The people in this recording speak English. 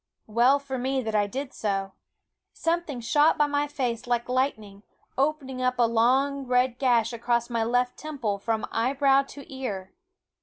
Well for me that I did so. Something shot by my face like lightning, opening up a long red gash across my left temple from eyebrow to ear.